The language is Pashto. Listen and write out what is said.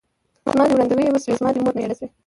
ـ زما دې وړاندې وشوې ، زما دې مور مېړه شوې.